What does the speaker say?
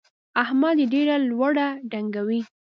احمد يې ډېره لوړه ډنګوي.